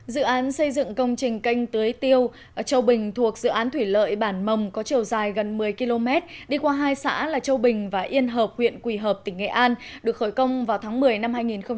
dự án xây dựng công trình canh tưới tiêu châu bình thuộc dự án thủy lợi bản mồng có chiều dài gần một mươi km đi qua hai xã là châu bình và yên hợp huyện quỳ hợp tỉnh nghệ an được khởi công vào tháng một mươi năm hai nghìn một mươi